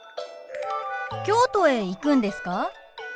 京都へ行くんですか？